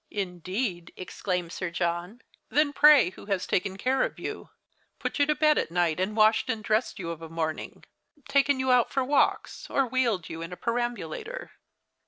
" Indeed," exclaimed Sir John ;" then pray who has taken care of you, put you to bed at night, and washed and dressed you of a morning, taken you out for walks, or wheeled you in a perambulator